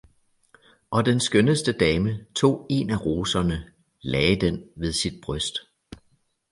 Og den skønneste dame tog en af roserne, lagde den ved sit bryst